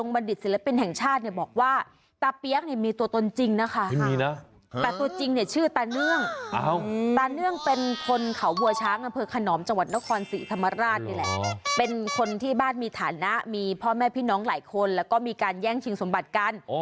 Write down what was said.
มีพ่อแม่พี่น้องหลายคนและมีการแว่งทิ้งสมบัติกัน